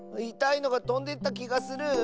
いたいのがとんでったきがする！